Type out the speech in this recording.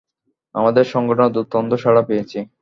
আমাদের সংগঠনের দুর্দান্ত সাড়া পেয়েছি।